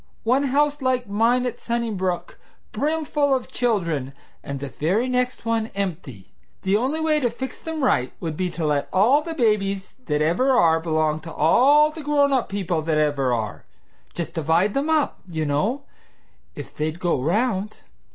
One house like mine at Sunnybrook, brimful of children, and the very next one empty! The only way to fix them right would be to let all the babies that ever are belong to all the grown up people that ever are, just divide them up, you know, if they'd go round.